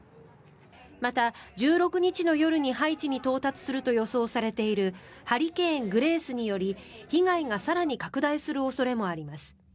また、１６日の夜にハイチに到達すると予想されているハリケーンのグレースにより被害が更に拡大する恐れもあります。